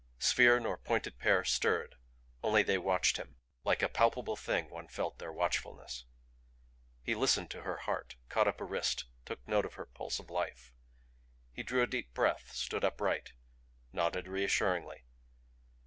Sphere nor pointed pair stirred; only they watched him like a palpable thing one felt their watchfulness. He listened to her heart, caught up a wrist, took note of her pulse of life. He drew a deep breath, stood upright, nodded reassuringly.